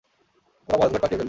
তোরা ভজঘট পাকিয়ে ফেলবি।